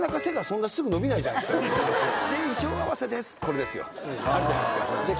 これですよあるじゃないですか。